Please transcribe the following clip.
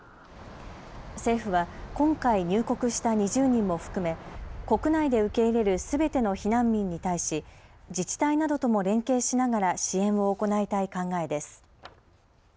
政府は今回入国した２０人も含め国内で受け入れるすべての避難民に対し自治体などとも連携しながら支援を行いたい考えです。